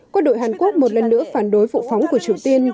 quân đội hàn quốc một lần nữa phản đối vụ phóng của triều tiên